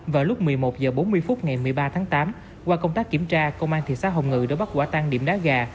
vào lúc một mươi một h bốn mươi phút ngày một mươi ba tháng tám qua công tác kiểm tra công an thị xã hồng ngự đã bắt quả tang điểm đá gà